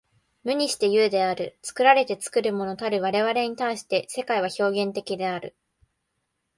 無にして有である。作られて作るものたる我々に対して、世界は表現的である。